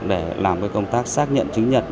để làm công tác xác nhận chứng nhận